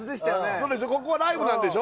今、ここはライブなんでしょ？